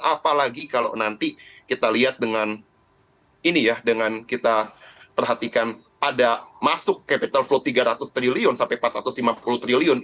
apalagi kalau nanti kita lihat dengan ini ya dengan kita perhatikan ada masuk capital flow tiga ratus triliun sampai empat ratus lima puluh triliun